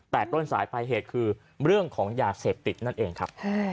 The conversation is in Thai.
แต่ต้นสายปลายเหตุคือเรื่องของยาเสพติดนั่นเองครับ